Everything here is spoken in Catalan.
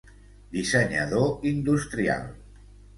Dissenyador industrial.